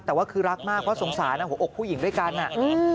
แต่ว่าคือรักมากเพราะสงสารหัวอกผู้หญิงด้วยกันอ่ะอืม